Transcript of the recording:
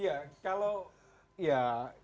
ya kalau ya